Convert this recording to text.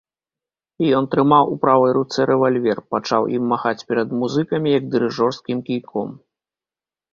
Ён трымаў у правай руцэ рэвальвер, пачаў ім махаць перад музыкамі, як дырыжорскім кійком.